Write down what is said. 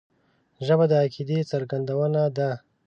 ژبه د عقیدې څرګندونه ده